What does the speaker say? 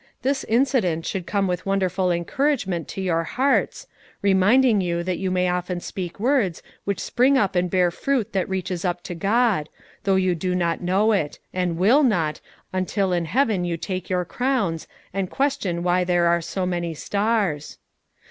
This incident should come with wonderful encouragement to your hearts, reminding you that you may often speak words which spring up and bear fruit that reaches up to God, though you do not know it, and will not, until in heaven you take your crowns, and question why there are so many stars.